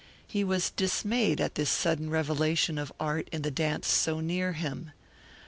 He was dismayed at this sudden revelation of art in the dance so near him.